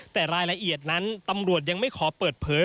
แต่รายละเอียดนั้นตำรวจยังไม่ขอเปิดเผย